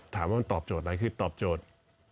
ถามว่ามันตอบโจทย์อะไรคือตอบโจทย์